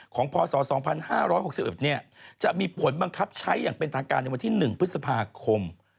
พศ๒๕๖๑จะมีผลบังคับใช้อย่างเป็นทางการในวันที่๑พฤษภาคม